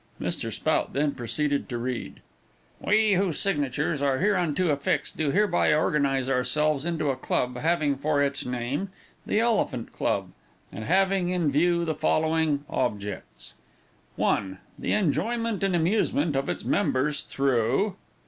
Mr. Spout then proceeded to read: We, whose signatures are hereunto affixed, do hereby organize ourselves into a club, having for its NAME, THE ELEPHANT CLUB, and having in view the following OBJECTS: 1. The enjoyment and amusement of its members through.